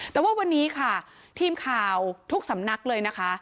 แต่ว่าวันนี้ค่ะทีมข่าวทุกสำนักเลยนะคะ